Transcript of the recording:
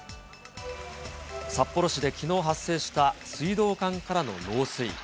札幌市できのう発生した水道管からの漏水。